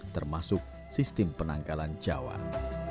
termasuk sistem penanggalan jahat